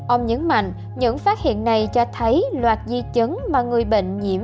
ông nhấn mạnh những phát hiện này cho thấy loạt di chứng mà người bệnh nhiễm